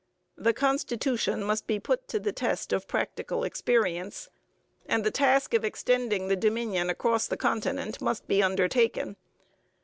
The constitution must be put to the test of practical experience; and the task of extending the Dominion across the continent must be undertaken.